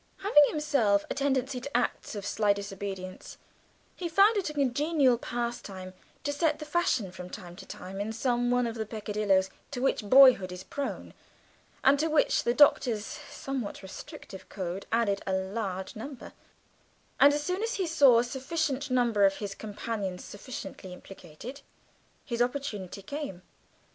Having himself a tendency to acts of sly disobedience, he found it a congenial pastime to set the fashion from time to time in some one of the peccadilloes to which boyhood is prone, and to which the Doctor's somewhat restrictive code added a large number, and as soon as he saw a sufficient number of his companions satisfactorily implicated, his opportunity came.